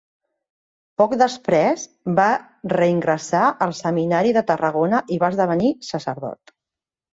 Poc després va reingressar al Seminari de Tarragona i va esdevenir sacerdot.